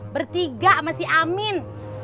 bertiga sama si amin